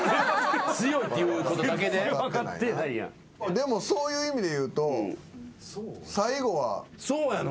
でもそういう意味でいうと最後は。